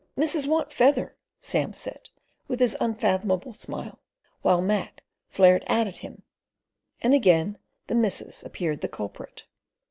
"Missus want feather!" Sam said, with his unfathomable smile, when Mac flared out at him, and again the missus appeared the culprit.